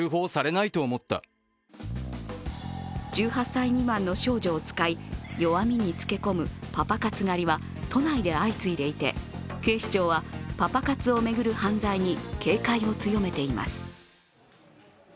１８歳未満の少女を使い弱みにつけこむパパ活狩りは都内で相次いでいて、警視庁は、パパ活を巡る犯罪に警戒を強めています。